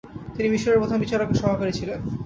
তিনি মিশরের প্রধান বিচারকের সহকারী ছিলেন।